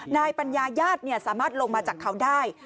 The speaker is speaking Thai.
นายปัญญาญาติสามารถลงมาจากเขาได้